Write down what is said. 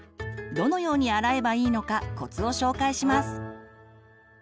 どのように洗えばいいのかコツを紹介します。